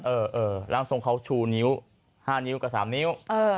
เออร่างทรงเขาชูนิ้ว๕นิ้วกับ๓นิ้ว